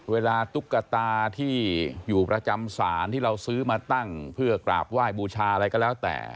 ตุ๊กตาที่อยู่ประจำศาลที่เราซื้อมาตั้งเพื่อกราบไหว้บูชาอะไรก็แล้วแต่